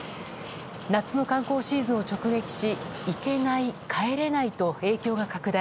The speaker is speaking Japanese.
夏の観光シーズンを直撃し行けない、帰れないと影響が拡大。